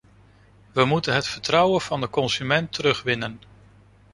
We moeten het vertrouwen van de consument terugwinnen.